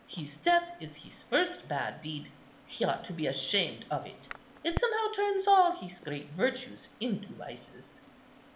His death is his first bad deed; he ought to be ashamed of it; it somehow turns all his great virtues into vices."